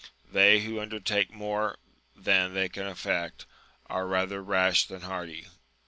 they who undertake more than they can effect, are rather rash than hardy.